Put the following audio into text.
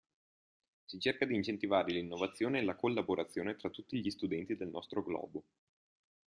Si cerca di incentivare l'innovazione e la collaborazione tra tutti gli studenti del nostro globo.